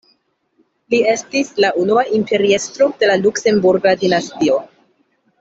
Li estis la unua imperiestro de la Luksemburga dinastio.